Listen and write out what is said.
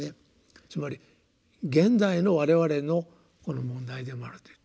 つまり現代の我々の問題でもあると。